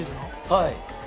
はい。